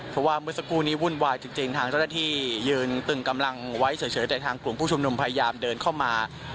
เพราะว่าเมื่อสักครู่นี้วุ่นวายจริงทางเจ้าหน้าที่ยืนตึงกำลังไว้เฉยแต่ทางกลุ่มผู้ชุมนุมพยายามเดินเข้ามา